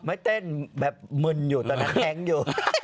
ไม่เต้นแบบมึนอยู่ตอนนั้นแท้งอยู่